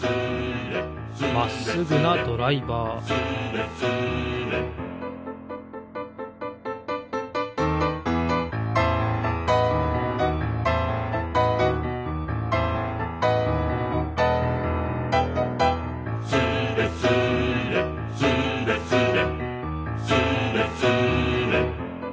まっすぐなドライバー「スレスレ」「スレスレスーレスレ」